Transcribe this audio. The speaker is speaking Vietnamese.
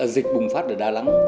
dịch bùng phát ở đà nẵng